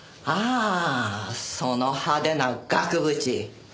ああその派手な額縁？